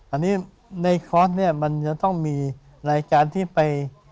อันนี้ในคอร์สเนี่ยมันจะต้องมีรายการที่ไป